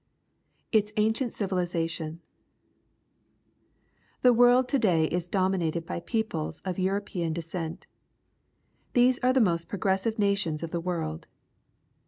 Its Ancient Civilization. — The world to day is dominated by peoples of European descent. These are the most progressive nations of the world.